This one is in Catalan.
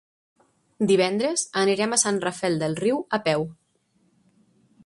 Divendres anirem a Sant Rafel del Riu a peu.